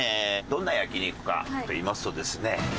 どんな焼肉かと言いますとですね。